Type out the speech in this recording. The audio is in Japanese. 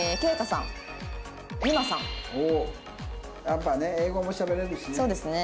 やっぱね英語もしゃべれるしね。